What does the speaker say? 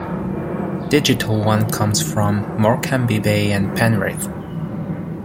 Digital One comes from Morecambe Bay and Penrith.